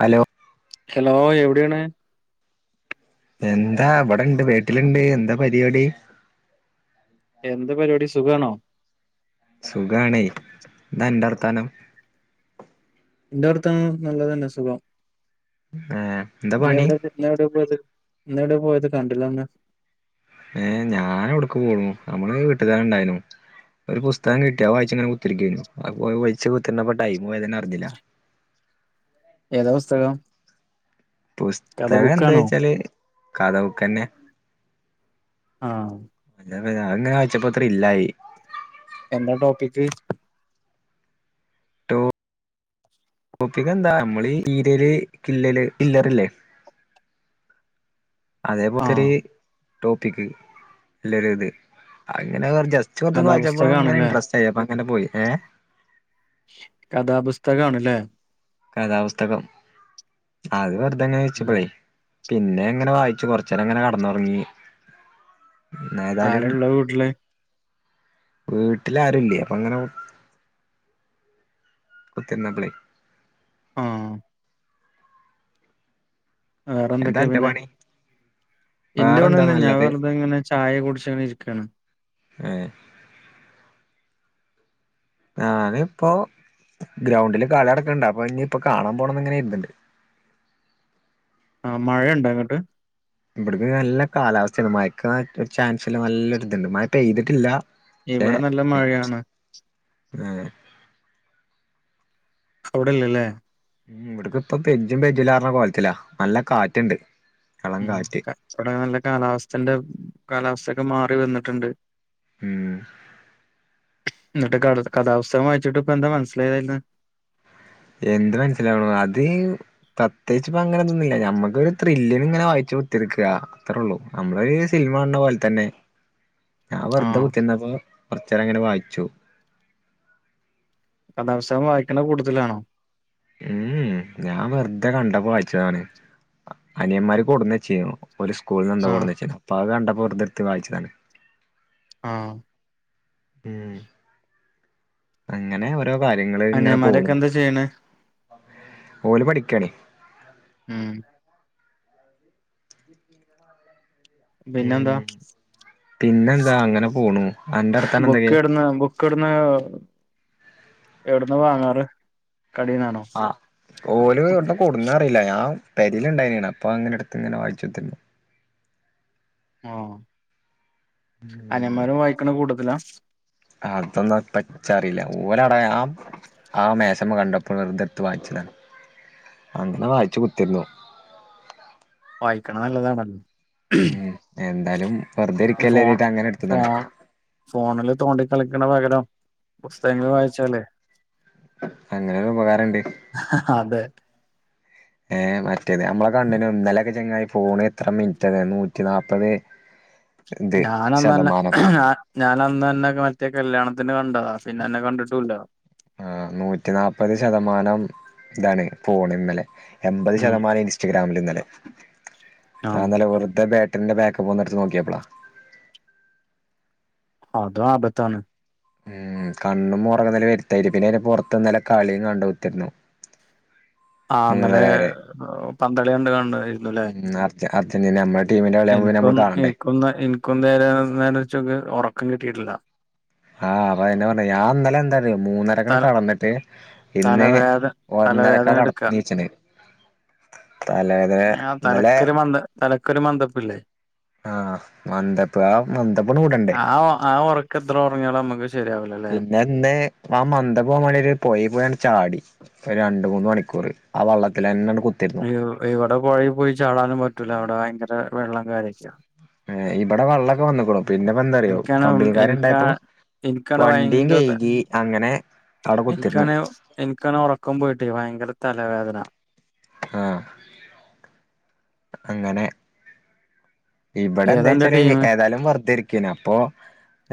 Hello hello എവിടെയാണ്. എന്താ ഇവിടെ ഇണ്ട് വീട്ടിലുണ്ട് എന്താ പരിപാടി. എന്ത് പരിപാടി സുഖാണോ? സുഖാണെയ് എന്താ അന്റെ വർത്താനം എന്താ വർത്താനം നല്ലത് തന്നെ സുഖം. ഏഹ് എന്താ പണി ഇന്നെവിടെ പോയത് ഇന്നെ വിടെ പോയത് കണ്ടില്ല ഇന്ന് ഏഹ് ഞാൻ എവിടക്ക് പോണു നമ്മള് വീട്ടില് തന്നെ ഇണ്ടായിനു ഒരു പുസ്തകം കിട്ടി അത് വായിച്ചിങ്ങന കുത്തിരിക്കേനു അപ്പ വാഴിച്ചു കുത്തിരന്നപ്പോ ടൈം പോയതന്നെ അറിഞ്ഞില്ല. ഏതാ പുസ്തകം. കഥ പുസ്തകം എന്താ ബുക്കാണോ വെച്ചാല് കഥ ബുക്ക്‌ തന്നെ ആഹ് അത് തന്നെ വായിച്ചപ്പം അത്ര ത്രില്ലായി എന്താ ടോപ്പിക്. ടോപ്പിക്ക് എന്താ നമ്മള് ഈ ഈരല് കില്ലല് കില്ലറില്ലേ ആ അതേപോത്തൊരു ടോപ്പിക്, എല്ലാരു ഇത് അങ്ങനെ മൊത്തം വായിച്ചപ്പോ അങ്ങനെ കഥാപുസ്തകാണല്ലേ ഇൻടറസ്റ്റ് ആയി അപ്പ അങ്ങനെ പോയി ഏഹ് - കഥാപുസ്തകം ആണല്ലേ കഥാപുസ്തകം അത് വെറുതെങ്ങനെ ഉം വച്ചപ്പോളേ പിന്നെ ഇങ്ങനെ വായിച്ചു കൊറച്ച് നേരം ഇങ്ങനെ കെടന്നുറങ്ങി. ഏതായാലും ആരാള്ള വീട്ടില് വീട്ടിൽ ആരുംയില്ലേ അപ്പൊ അങ്ങനെ കുത്തി ഇരുന്നപ്പളെ ആഹ് വേറെ എന്താ എന്തൊക്കെയാ അന്റെ പിന്നെ, പണി എന്റെ [unintelligible] വേറെന്താ ണന്താ ഞാൻ നല്ലത് വെറുതെ ഇങ്ങനെ ചായ കുടിച്ചങ്ങനെ ഇരിക്കുകയാണ് ആഹ് ഞാനിപ്പോ ഗ്രൗണ്ടില് കളി നടക്കണ്ട് അപ്പൊ ഇനി ഇപ്പൊ കാണാൻ പോകണം എന്ന് ഇങ്ങനെ ഇണ്ട് ആഹ മഴയ ഉണ്ടോ ഇങ്ങോട്ട് ഇവിടെക്കെ നല്ല കാലാവസ്ഥയാണ് മഴയക്ക് ചാൻസ്ല്ലാം നല്ലൊരിതുണ്ട് മയ പെയ്തിട്ടില്ല ഇവിടെ ഏഹ് നല്ല മഴയാണ് ഉം അവിടെ ഇല്ലയല്ലേ ഉം, ഇവിടെക്ക ഇപ്പ പെയ്യും പെയ്യും എന്ന കോലത്തില നല്ല കാറ്റുണ്ട്. എളം ഉം കാറ്റ് ഇവിടെ നല്ല കാലാവസ്ഥ ഉണ്ട് കാലാവസ്ഥൊക്കെ മാറി വന്നിട്ടുണ്ട് ഉം എന്നിട്ട് ക, കഥാപുസതകം വായിച്ചിട്ട് ഇപ്പ എന്താ മനസ്സിലായത് അതീന് എന്ത് മനസ്സിലാവണം, അത്- പ്രത്യേകിച്ച് ഇപ്പൊ അങ്ങനെൊന്നുമില്ല ഞമ്മക്കൊ ഒരു ത്രില്ലിന് ഇങ്ങനെ വായിച്ചോണ്ടിരിക്കുവാ അത്രേള്ളൂ നമ്മള് ഈ സിനിമ കണ്ട പോലെ തന്നെ ഞാൻ വെറുതെ ആഹ് കുത്തിന്നപ്പോ കൊറച്ച് നേരം അങ്ങനെ വായിച്ചു കഥാ പുസ്തകം വായിക്കണ കൂട്ടതിലാണോ ഉം, ഞാൻ വെറുതെ കണ്ടപ്പോ വായിച്ചതാണ് അനിയന്മാര് കൊണ്ടുവന്നു വെച്ചെന്നു ഒരു സ്കൂളിൽ നിന്ന് എന്തോ കൊണ്ട് ആഹ് വന്ന് വെചേനു അപ്പ അത് കണ്ടപ്പോ വെറുതെ എടുത്ത് വായിച്ചതാണ്. ആഹ ഉം അങ്ങനെ ഓരോ കാര്യങ്ങള് ഇങ്ങനെ പോണു, അനിയന്മാരൊക്കെ എന്താ ചെയ്യണ് ഓല് പഠിക്കാണ് ഉം ഇപ്പല്ല [unintelligible] പിന്നെ എന്താ പിന്നെന്താ അങ്ങനെ പോണു അന്റെ വർത്താനം ബുക്ക് എന്തൊക്കെ കെടന്ന് - ബുക്ക്‌ ഇവിടുന്ന് എവിടന്ന് വാങ്ങാറ് കടന്നാണോ ആ ഓല് എവിടുന്നാ കൊണ്ടുവന്നത് അറിയില്ല ഞാൻ ബാഗില് ലുണ്ടായനെയാണ് അപ്പൊ അങ്ങനെ അടുത്ത് ഇങ്ങനെ വായിച്ചിട്ട് ആ ഉം അനിയന്മാരും വായിക്കണ കൂട്ടത്തിലാ അതൊന്നും പച്ചാറിയി [unintelligible] ല്ല ഓരട ആ ആ മേശമ്മ കണ്ടപ്പോൾ വെറുതെടുത്ത് വായിച്ചത, അങ്ങനെ വായിച്ചു കുത്തിരുന്നു വായിക്കണ നല്ലതാണ് ഉം എന്താലും വെർതെ ഈ ഇരിക്കല്ല ഫോൺ എതിട്ട് അങ്ങനെ എട്ത്തതാണ് ഫോൺ ഫോണില് തോണ്ടി കളിക്കണ പകരം പുസ്തകങ്ങൾ വായിച്ചാലേ അങ്ങനെരു ഉപകാരണ്ട് അതെ ഏ മറ്റേത് നമ്മളെ കണ്ടനു ഇന്നലൊക്കെ ചങ്ങായി പോണ് എത്ര മിനിറ്റ നൂറ്റി നാപത് [unintelligible] ഞാനന്നന്നെ ഞാ ഞാൻ അന്നന്നെ ഒക്കെ മറ്റേ കല്യാണത്തിന് കണ്ടതാ പിന്നെ അന്നെ കണ്ടിട്ടുല്ല ആഹ് നൂറ്റിനാപത് ശതമാനം ഇതാണ് പോണ് ഇന്നലെ എൺപത് ഉം ശതമാനം ഇനി ഇസ്റ്റഗ്രാമിൽ ഇന്നലെ, ആഹ് ഞാന്നലെ വെർതെ ബാറ്ററിന്റെ ബാക്കപ്പ് ഒന്നെടുത്ത് നോക്കിയാപ്പളാ അതും ആബത്താണ് ഉം കണ്ണും മോറ് നല്ല വരുത്ത പിന്നെ പുറത്ത്ന്നലെ കളിയും കണ്ടുത്തിരുന്നു ആഹ് ഇന്നലെ പന്ത്കളി കണ്ട് കാണ്ടായിരുന്നുല്ലേ ഉം അർജന്റീന നമ്മടെ ടീമിന്റെ കളിയാകുമ്പോ പിന്നെ ഇൻക്കൊ നമ്മള് കാണണ്ടേ ഇൻക്കൊന്ന ഇൻക്കൊന്ന നേരെ ചൊവ്വെ ഉറക്കം കിട്ടിയിട്ടില്ല. ആഹ് അതന്നെ പറഞ്ഞ ഞാന്നലെ എന്താല അത് മൂന്നരക്കട് തല കടന്നിട്ട് ഇന്ന് തലവേദ ഒന്നരക്ക തലവേദന കട എടുക്ക എണീച്ചത് ആഹ അല്ലെ ആഹ് തലക്കര് മന്ദ തലക്കര് മന്ദപ്പല്ലേ ആഹ് മന്ദപ്പ് ആ മന്ദപ്പട് വിടണ്ടേ ആ ഒ ആ ഒർ ക്കെത്ര ഉറങ്ങാലും നമക്ക് ശരിയാവി പിന്നെ ഇന്ന് ആ മന്ദപ്പോവണ്ടിട്ട് പോയെ പോയാണ് ചാടി ഒരു രണ്ട് മൂന്ന് മണിക്കൂർ ആ വെള്ളത്തിലന്നെട് ഇവിടെ പുഴയി പോയി ചാടാനും പറ്റൂല ഇവിടെ ഭയങ്കര വെള്ളം കാര്യൊക്കെയാ ഇവിടെ വെള്ളൊക്കെ വന്നക്ക്ണു പിന്നെപ്പോ എന്താറിയോ എനിക്കാണ് കമ്പനിക്കാരു എനിക്കാ ഇണ്ടായപ്പോ എനിക്കാണ് വണ്ടിയും കയ്‌കി അങ്ങനെ അവിടെ കുത്തിരുന്നു എനിക്കണെ ഇൻക്കണെ ഉറക്കം പോയിട്ടേ ഭയങ്കര തലവേദന ആഹ് അങ്ങനെ ഇവിടെ ഏതാ എന്താ അന്റെ ച്ചാല് ടീമ് ഏതായാലു വെർതെ ഇരിക്കനെ അപ്പൊ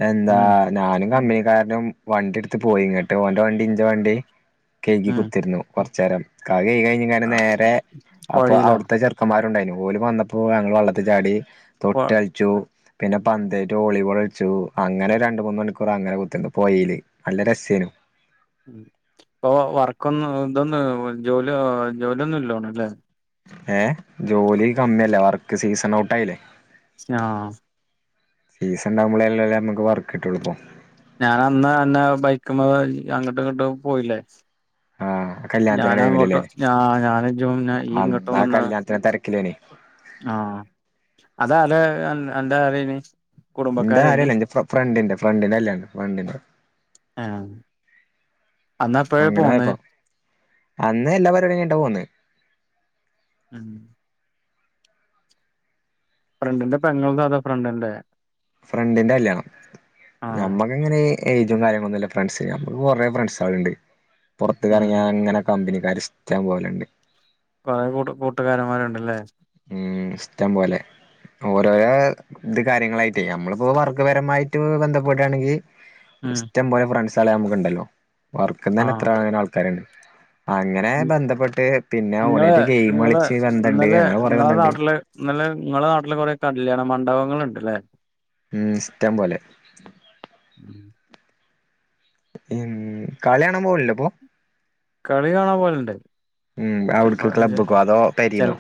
എന്താ ഉം ഞാനും കമ്പനിക്കാരനും വണ്ടി എടുത്ത് പോയി ഇങ്ങട്ട് ഓന്റെ വണ്ടി ഇന്റെ വണ്ടി കഴകി ഉം കുത്തിരുന്നു കോർച്ചേരം ക കൈ കഴിഞ്ഞു നേരെ അപ്പൊ പൊഴയിലോ അവിടുത്തെ ചെർ ക്കന്മാരുണ്ടായിന് പോലും വന്നപ്പോ ഞങ്ങൾ വള്ളത്തി ചാടി പൊ തൊട്ട ച്ചു പിന്നെ പന്തേറ്റ് വോളിബോൾ അഴിച്ചു അങ്ങനെ രണ്ട മൂന്ന് മണിക്കൂർ അങ്ങനെ കുത്തിണ്ട് പോയേല് നല്ല രസേനു ഇപ്പൊ വർക്കൊന്ന് ഇതൊന്ന ജോലി ജോലിയൊന്നും ഇല്ലോണുല്ലേ ഏഹ് ജോലി കമ്മിയല്ലേ വർക്ക് സീസൺ ഔട്ട് ആയില്ലേ സ്ന സീസൺ ഉണ്ടാവുമ്പളല്ല നമക്ക് വർക്ക് കിട്ടോളുപ്പോ ഞാൻ അന്ന് അന്നെ ബൈക്കമ്മ അങ്ങട്ട് ഇങ്ങട്ട് പോയില്ലേ ആ കല്യാണത്തിന്റെ ഞാന ടൈമിലല്ലേ അങ്ങോട്ടും ഞ ഞാന ജോ ഈ ഇ കിട്ടും അന്ന് ആ വന്നത് കല്യാണത്തിന്റെ തിരക്കിലേനി ആഹ് അതാ അത അന്റെ ആരെനി ഇന്റെ ആരുമല്ല ഇ ഫ്രണ്ടിന്റെ ഫ്രണ്ടിന്റെ അല്ലാണ് ഫ്രണ്ടിന്റെ ആഹ് അന്ന് എപ്പഴാ അങ്ങനെ പോന്നേ ആയപ്പോ അന്ന് എല്ലാ പരിപാടി കഴിഞ്ഞിട്ടാ പോന്നത് ഉം ഫ്രണ്ടിന്റെ പെങ്ങൾതോ അതൊ ഫ്രണ്ടിന്റെ ഫ്രണ്ടിന്റെ കല്യാണം ആഹ് നമ്മ ക്കാങ്ങനെ ഏജും കാര്ങ്ങളൊന്നുമല്ല ഫ്രണ്ട്സ് നമുക്ക് കുറെേ ഫ്രണ്ട്സ് ആള് ഉണ്ട് പുറത്ത്ക്ക് ഉം ഇറങ്ങിയാൽ അങ്ങനെ കമ്പനിക്കാര് ഇഷ്ട്ടം പോലുണ്ട് കുറെേ കൂ കൂട്ടുകാരന്മാരുണ്ടല്ലേ ഉം ഇഷ്ടം പോലെ ഓരോരോ ഇത് കാര്യങ്ങളായിട്ട് നമ്മളിപ്പോ വർഗ്ഗപരമായിട്ട് ബന്ധപ്പെട്ടാണെങ്കിൽ ഉം ഇഷ്ടംപലെ ഫ്രണ്ട്സ് ആ നമുക്കു ണ്ടല്ലോ വർക്ക തന്നെ ആഹ് എത്ര അങ്ങന ആൾക്കാര്ണ്ട് അങ്ങനെ ബന്ധപ്പെട്ട് പിന്നെ ഇങ്ങള് ഓനട്ട് ഗെയിം ഇങ്ങള് കളിച്ച് ബന്ധംണ്ട് ഇന്നലെ അങ്ങനെ ഇങ്ങളെ ബന്ധണ്ട് നാട്ടില് ഇന്നലെ നിങ്ങളുടെ നാട്ടിൽ കുറെേ കല്യാണ മണ്ഡപങ്ങൾ ഉണ്ടല്ലേ ഉം ഇഷ്ടം പോലെ ഉം ഉം കളി കാണാൻ പോണല്ലോ ഇപ്പൊ കളി കാണൻ പോലെണ്ട് ഉം അവിട്ക്ക് ചിലപ്പോൾ ക്ലബ്ബ്ക്കോ അതോ പെരീന്നോ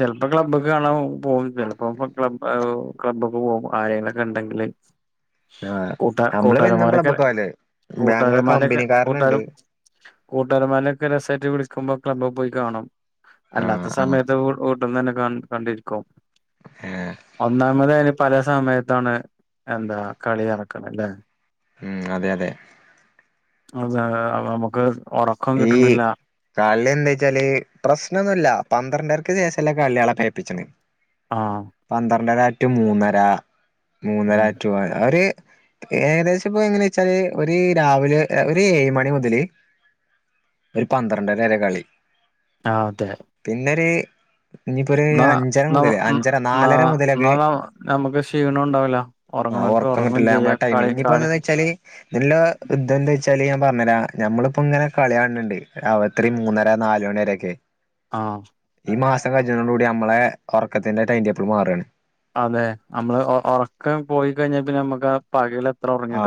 ചിലപ്പോൾ ക്ലബ് കാണാൻ പോകും ചിലപ്പോ ക്ലബ് ക്ലബ്ബൊക്കെ പോകും ആരെങ്കിലും ഒക്കെ ഉണ്ടെങ്കിൽ ആ് നമ്മള് എന്നും കൂട്ടുകാരന്മാരൊക്കെ ക്ലബൊക്കപോകല് ഇ ഞങ്ങള് കമ്പനിക്കാരനുണ്ട് കൂട്ടാരമാലൊക്കെ രസൈറ്റ് വിളിക്കുമ്പോ ക്ലബ്‌ പോയി കാണും ആഹ് അല്ലാത്ത ആഹ് സമയത്ത് വീട്ടന്ന് തന്നെ കണ്ടിരിക്കും ഏഹ് ഒന്നാമത അതിന് പല സമയത്താണ് എന്താ കളി നടക്കുന്നത് അല്ലേ ഉം അതെ അതെ അതെ നമുക്ക് ഉറക്ക ഏഈ കളി എന്താ വെച്ചാല് പ്രശ്നംമോ ന്നുമല്ല പന്ത്രണ്ടേർക്ക് ശേഷം അല്ലെ കളി ആണ് പേപ്പിച്ചണ് ആഹ പന്ത്രണ്ടരറ്റു മൂന്നര മൂന്നര ഉം റ്റു അര ഒരു ഏകദേശം ഇപ്പോ എങ്ങന വെച്ചാല് ഒരു രാവിലെ ഒരു ഏഴ് മണി മുതല് ഒരു പന്ത്രണ്ടര വരെ കളി ആ അതെ പിന്നര് ഇനിയിപ്പോ ഒരു ന്നാ അഞ്ചര ന്നാ മുതൽ അഞ്ചര ന്നാ നാലര മുതലൊക്കെ ന്നാ നമുക്ക് ക്ഷീണം ഉണ്ടാവില്ല ഉറങ്ങണോൽക്ക് ഉറക്കം ഉറങ്ങും കിട്ടില്ല ചെയ്യാ നമ്മുടെ ടൈമ കളി കളി ഇനിയിപ്പോഎന്താന്ന് വെച്ചാല് നല്ല യുദ്ധം എന്താ വെച്ചാ ഞാൻ പറഞ്ഞരാ ഞമ്മളിപ്പോ ഇങ്ങനെ കളി കാണിണ്ട് അവത്രി മൂന്നര നാലുമണി വരൊക്കെ ആഹ ഈ മാസം കഴിഞ്ഞതോട് കൂടി നമ്മളെ ഉറക്കത്തിന്റെ ടൈൻടേപ്പിൾ മാറുകയാണ് അതെ നമ്മള് ഉറക്കം പോയി കഴിഞ്ഞാൽ പിന്നെ നമ്മുക്ക് പകലത്ര ആ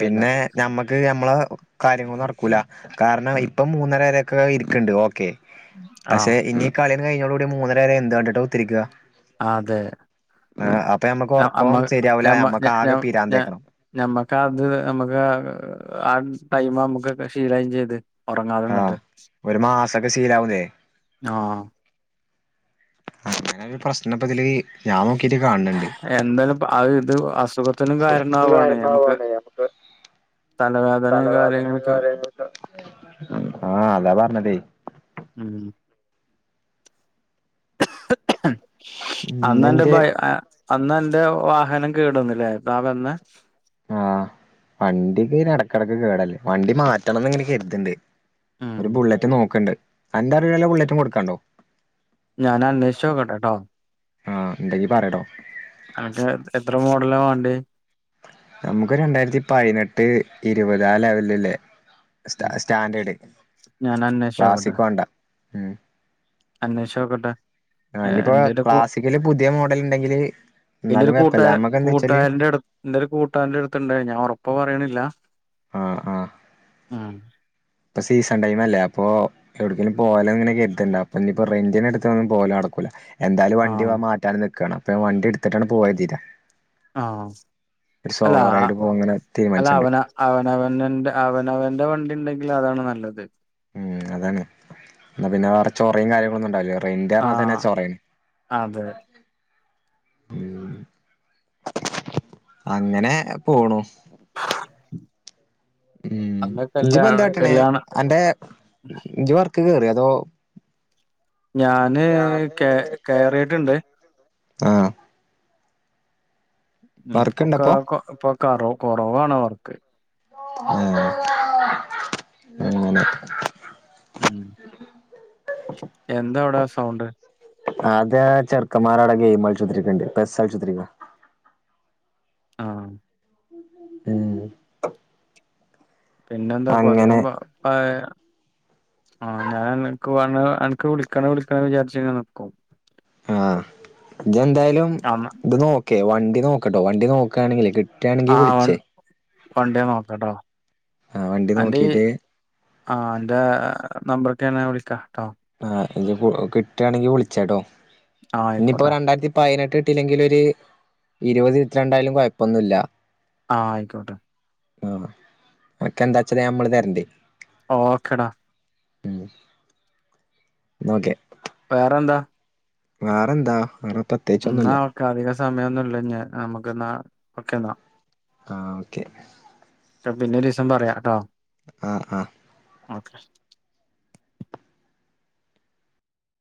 പിന്നെ ഞമ്മക്ക് ഞമ്മള കാര്യങ്ങളൊന്നും നടക്കൂല കാരണം ഇപ്പൊ മൂന്നര വരൊക്കെ ഇരിക്കണ്ട് ഓക്കെ പക്ഷെ ആഹ് ഇനി കളി കഴിഞ്ഞോട കൂടി മൂന്നര വരെ എന്ത് കണ്ടിട്ടോ കുത്തിരിക്കുക അതെ ആ അപ്പൊ മ്മക്ക് അമ്മ ഉറക്കം ശരിയാവൂല മ്മക്ക് ആകെ പിരാന്തേക്കാരം മ്മക്ക് അത് നമുക്ക് ആ ടൈം നമുക്ക് ശീലാകുയയും ചെയ്ത് ആഹ് ഉറങ്ങാതന്നിട്ട് ഒരു മാസൊക്കെ ശീലാവൂലേ ആഹ അങ്ങനെ ഒരു പ്രശ്നപ്പതില് ഞാൻ നോക്കിട്ട് കാണ്ണ്ണ്ട്. എന്തായാലും അത് ഇത് അസുഖത്തിനും കാരണാവാണ് നമുക്ക് [unintelligible] തലവേദന തലവേദന കാര്യങ്ങൾക്ക് [unintelligible] ആഹ് അതാ പറഞ്ഞതെ ഉം ഉം അന്നന്റെ ബ എന്റെ അന്നന്റെ വാഹനം കേടുവന്ന്ല്ലേ താ വന്നെ ആഹ് വണ്ടിക്ക് ഇങ്ങനെ എടക്കെടക്ക് കേടല്ലേ വണ്ടി മാറ്റണംന്ന് ഇങ്ങനെ കര്ത്ണ്ട്. ഒരു ബുള്ളറ്റ് നോക്ക്ണ്ട് അന്റെ അറിവില് ബുള്ളറ്റും കൊടുക്കാണ്ടോ ഞാന് അന്വേഷിച്ച് നോക്കെട്ടെട്ടോ ആഹ് ഇണ്ടെങ്കി പറയട്ടോ അത് എത്ര മോഡല വാണ്ടേ നമുക്ക് രണ്ടായിരത്തി പൈനെട്ട് ഇരുവത് ആ ലെവലിലുള്ള സ്റ്റ സ്റ്റാൻഡേർഡ് ഞാൻ അന്വേഷിച്ച് ക്ലാസിക് വാണ്ട ഉം അന്വേഷോക്കട്ടെ ആ ഇഞ്ഞ്‌പ്പോ ക്ലാസ്സിക്കല് പുതിയ മോഡല് ഇണ്ടെങ്കില് ൻ്റെ ഒരു കൂട്ടരൻ കൂട്ടാരന്റെ അടുത്ത് എന്റെ ഒരു കൂട്ടാരന്റെ അടുത്ത്ണ്ടെ ഞാൻ ഒറപ്പ് പറയണില്ല ആഹ് ആഹ് ഇപ്പൊ സീസൺ ടൈം അല്ലേ അപ്പൊ എവ്ടെക്കേലും പോവാലോ ഇങ്ങനെ കര്ത്ണ്ട്. അപ്പൊ ഇഞ്ഞ്‌പ്പൊ റെൻ്റിന് എടുത്തൊന്നും പോലട്ക്കൂല. എന്തായാലും വണ്ടി ആഹ് മാറ്റാൻ നിക്കാണ്. അപ്പൊ വണ്ടി ഇട്ത്തിട്ടാണ്ട് പോവര്തീട്ടാ ആഹ് അല്ല പോവാൻ ഇങ്ങനെ അല്ല തീരുമാനിച്ചിട്ടുണ്ട് അവന അവനവനന്റെ അവനവന്റെ വണ്ടി ഇണ്ടെങ്കില് അതാണ് നല്ലത്. ഉം അതാണ് ഇന്നാ പിന്നെ വേറെ ചൊറിം കാര്യങ്ങളൊന്നും ഇണ്ടാവില്ല റെൻ്റാർന്നത്തന്നെ ആഹ് ചൊറയാണ്. അതെ ഉം അങ്ങനെ പോണു. ഉം അല്ല ഇജ് പ്പ കല്യാണം എന്താട്ടണേ കല്യാണം അന്റെ ഇജ് വർക്ക് കേറ്യോ അതോ ഞാന് ഞാന് കേ കേ കേറിയിട്ടുണ്ട്. ആഹ് ഉം ഇപ്പൊക്കാ വർക്ക്ണ്ടപ്പൊ ഇപ്പൊ കറവ കൊറവാണ് വർക്ക് ഏഹ് ഉം ഉം എന്താ അവ്ടെ സൗണ്ട്? അതാ ചെർക്കമ്മാരാടെ ഗെയിമൾച്ചുത്തിരിക്ക്ണ്ട് പെസ്സൾച്ചുത്ത്ര്ക്കാ. ആഹ്. ഉം. പിന്നെന്താക്കും അങ്ങനെ അധികം ആഹ് ഞാനനക്ക് അനക്ക് വിളിക്കണോ വിളിക്കണോ വിചാരിച്ച്ങ്ങനെ നിക്കും ആഹ് ഇജ് എന്തായാലും അന്ന് ഇത് നോക്കേ വണ്ടി നോക്ക്ട്ടോ വണ്ടി നോക്കാണെങ്കിലേ കി ആഹ് വൺ വണ്ടി നോക്കട്ടോ ആഹ് വണ്ടി അന്റെ ഈ നോക്കീട്ട് ആഹ് അന്റെ നമ്പറ്ട്ട്യാ ഞാ വിളിക്കാ ട്ടോ. ആഹ് ഇഞ്ഞ്‌ കിട്ടാണെങ്കീ വിള്ച്ചാട്ടോ ആഹ് ഇഞ്ഞിപ്പോ ആയിക്കോട്ടെ രണ്ടായ്രത്തി പയ്നെട്ട് കിട്ടീല്ലെങ്കിലൊര് ഇരുവത് ഇര്വത്ത് രണ്ടായാലും കൊഴപ്പൊന്നുല്ല. ആഹ് അയിക്കോട്ടെ. ആഹ് അൻക്കെന്താച്ചാല് അമ്മള് തെര്ണ്ട്. ഓക്കെടാ. ഉം ന്നാ ഓക്കെ. വേറെന്താ? വേറെന്താ വേറപ്പ ഉം ന്നാ ഓക്കെ അധികം സമയമൊന്നുല്ലഞ്ഞ് അമ്മക്ക് ന്നാ ഓക്കെന്നാ. ആഹ് ഓക്കെ. പിന്നൊരീസം പറയാ ട്ടോ. ആഹ് ആഹ്. ഓക്കെ.